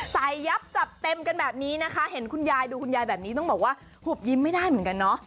ยับจัดเต็มกันแบบนี้นะคะเห็นคุณยายดูคุณยายแบบนี้ต้องบอกว่าหุบยิ้มไม่ได้เหมือนกันเนาะ